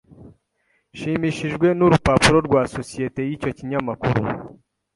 Nshimishijwe nurupapuro rwa societe yicyo kinyamakuru.